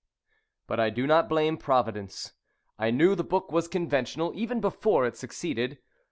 But I do not blame Providence. I knew the book was conventional even before it succeeded.